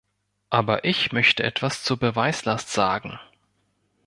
Aber ich möchte etwas zur Beweislast sagen.